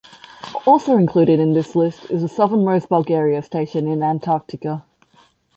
Also included in this list is the southernmost Bulgaria station in Antarctica.